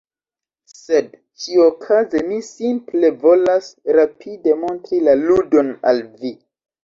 Sed ĉiuokaze mi simple volas rapide montri la ludon al vi